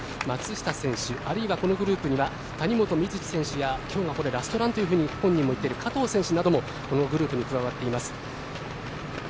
松下選手あるいはこのグループには谷本観月選手やきょうがこれ、ラストランと本人も言っている加藤選手もこのグループに加わっています。